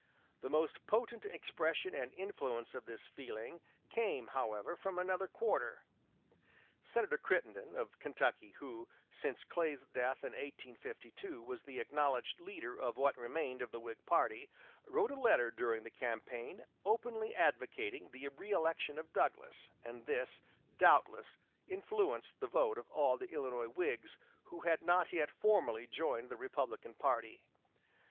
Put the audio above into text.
The most potent expression and influence of this feeling came, however, from another quarter. Senator Crittenden of Kentucky, who, since Clay's death in 1852, was the acknowledged leader of what remained of the Whig party, wrote a letter during the campaign, openly advocating the reëlection of Douglas, and this, doubtless, influenced the vote of all the Illinois Whigs who had not yet formally joined the Republican party.